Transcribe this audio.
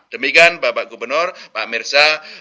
demikian bapak gubernur pak mirza